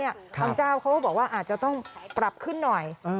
บางเจ้าเขาก็บอกว่าอาจจะต้องปรับขึ้นหน่อย